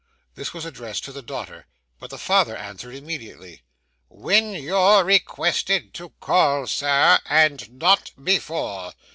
This was addressed to the daughter, but the father answered immediately. 'When you're requested to call, sir, and not before.